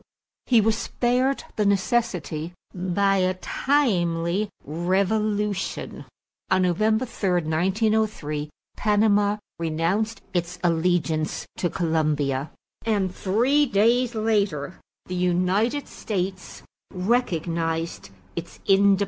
He was spared the necessity by a timely revolution. On November 3, 1903, Panama renounced its allegiance to Colombia and three days later the United States recognized its independence.